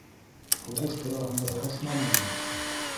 — Һуғыш тураһында һорашманыңмы?